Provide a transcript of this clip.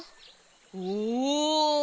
おお！